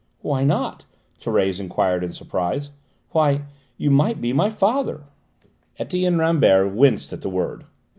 "Why not?" Thérèse enquired in surprise. "Why, you might be my father." Etienne Rambert winced at the word.